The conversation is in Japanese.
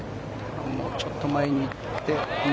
もうちょっと前に行って。